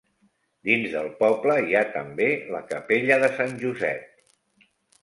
Dins del poble hi ha també la capella de Sant Josep.